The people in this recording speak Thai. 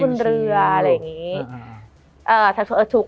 มันทำให้ชีวิตผู้มันไปไม่รอด